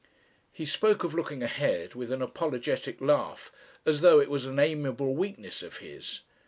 He spoke of looking ahead with an apologetic laugh as though it was an amiable weakness of his.